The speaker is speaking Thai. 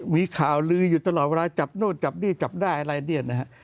มีข่าวลืออยู่ตลอดเวลาจับโน่นจับนี่จับได้อะไรเนี่ยนะฮะ